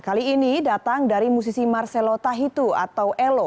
kali ini datang dari musisi marcelo tahitu atau elo